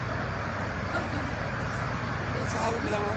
Su hermana, Beverly Clark, fue procesada por el asesinato.